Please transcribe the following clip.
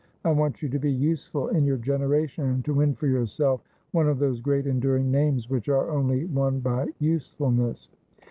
I want you to be useful in your generation, and to win for yourself one of those great enduring names which are only won by usefulness.'